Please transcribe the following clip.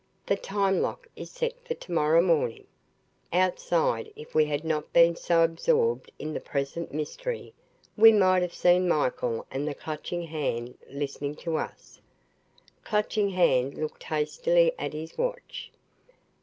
"The time lock is set for tomorrow morning." Outside, if we had not been so absorbed in the present mystery, we might have seen Michael and the Clutching Hand listening to us. Clutching Hand looked hastily at his watch.